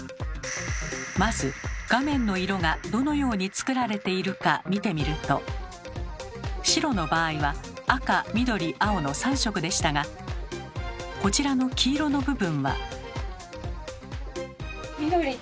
まず画面の色がどのように作られているか見てみると白の場合は赤緑青の３色でしたがこちらの黄色の部分は。